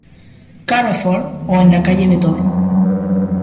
Carrefour, o en la Calle Beethoven.